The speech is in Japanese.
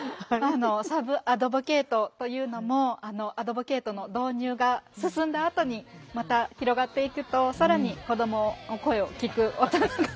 サブアドボケイトというのもアドボケイトの導入が進んだあとにまた広がっていくと更に子どもの声を聴く大人が。